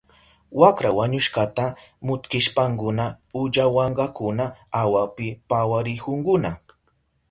Wakra wañushkata muktishpankuna ullawankakuna awapi pawarihunkuna.